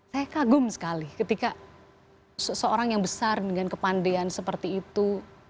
saya kagum sekali ketika seseorang yang besar dengan kepandean seperti itu